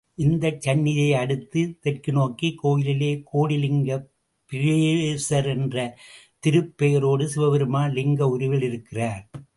இந்த சந்நிதியை அடுத்த தெற்கு நோக்கிய கோயிலிலே கோடிலிங்க புரேசர் என்ற திருப்பெயரொடு சிவபெருமான் லிங்க உருவில் இருக்கிறார்.